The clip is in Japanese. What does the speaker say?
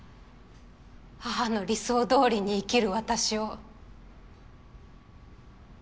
母の理想通りに生きる私を。